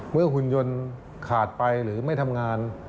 หุ่นยนต์ขาดไปหรือไม่ทำงาน